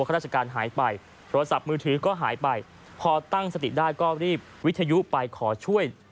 ราชการหายไปโทรศัพท์มือถือก็หายไปพอตั้งสติได้ก็รีบวิทยุไปขอช่วย